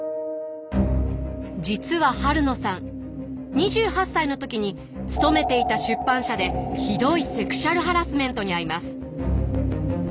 実は晴野さん２８歳の時に勤めていた出版社でひどいセクシュアルハラスメントに遭います。